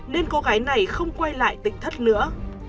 nên cô gái này không quay lại tỉnh thất nữa